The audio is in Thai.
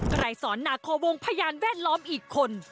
ใครสอนหุ้นหัวบงพะยานแว่นล้อมอีกคน